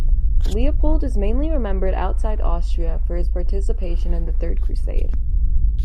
Leopold is mainly remembered outside Austria for his participation in the Third Crusade.